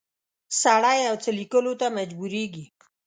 سړی یو څه لیکلو ته مجبوریږي.